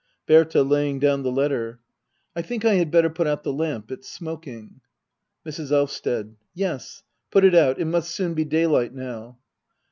Berta. [Laying down the letter,] I think I had better put out the lamp. It's smoking. Mrs. Elvsted. Yes, put it out. It must soon be daylight now.